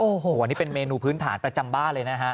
โอ้โหอันนี้เป็นเมนูพื้นฐานประจำบ้านเลยนะฮะ